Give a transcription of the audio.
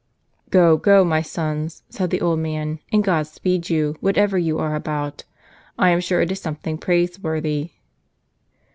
" Go, go, my sons," said the old man, " and God speed you! whatever you are about, I am sure it is something praiseworthy."